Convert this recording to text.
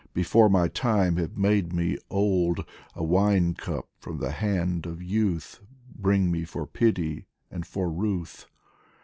Before my time have made me old ; A wine cup from the hand of Youth Bring me for pity and for ruth